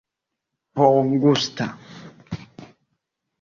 bongusta